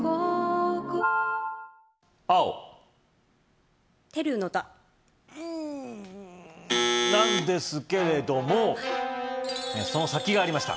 青テルーの唄うーんなんですけれどもその先がありました